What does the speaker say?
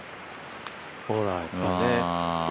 ほら、やっぱね。